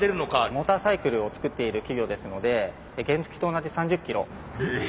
モーターサイクルを作っている企業ですので原付きと同じ３０キロ。え？